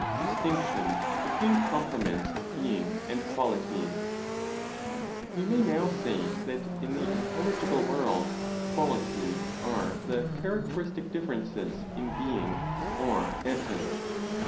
DISTINCTION BETWEEN COMPLEMENTS OF BEING, AND QUALITIES. We may now say that, in the intelligible world, qualities are the characteristic differences in being or essence.